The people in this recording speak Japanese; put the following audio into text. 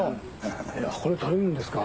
これ食べるんですか。